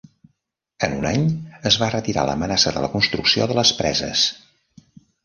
En un any, es va retirar l'amenaça de la construcció de les preses.